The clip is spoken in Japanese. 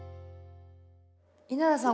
稲田さん